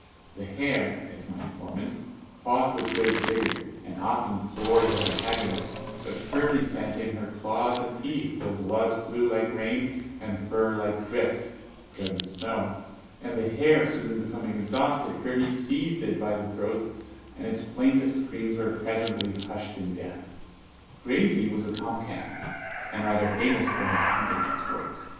"The hare," says my informant, "fought with great vigour, and often floored her antagonist; but Pirnie sent in her claws and teeth, till blood flew like rain, and fur like drift (driven snow); and the hare soon becoming exhausted, Pirnie seized it by the throat, and its plaintive screams were presently hushed in death." Graysie was a tom cat, and rather famous for his hunting exploits.